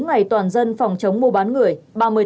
ngày toàn dân phòng chống ngu bán người